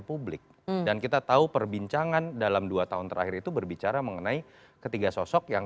publik dan kita tahu perbincangan dalam dua tahun terakhir itu berbicara mengenai ketiga sosok yang